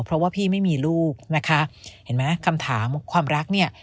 เพราะว่าพี่ไม่มีลูกนะคะเห็นไหมคำถามความรักเนี่ย